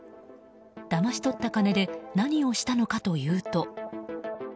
だまし取った金で何をしたのかというと。